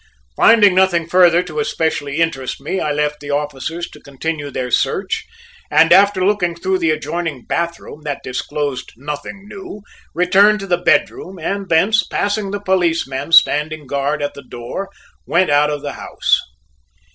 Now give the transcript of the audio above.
Finding nothing further to especially interest me I left the officers to continue their search, and after looking through the adjoining bathroom, that disclosed nothing new, returned to the bedroom and thence, passing the policeman standing guard at the door, went out of the house.